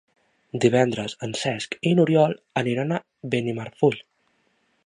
Divendres en Cesc i n'Oriol aniran a Benimarfull.